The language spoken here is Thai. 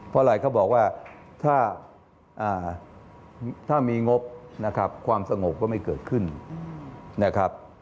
เพราะอะไรเขาบอกว่าถ้ามีงบนะครับความสงบก็ไม่เกิดขึ้นนะครับ